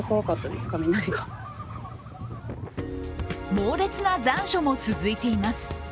猛烈な残暑も続いています。